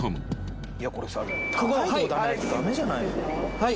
はい。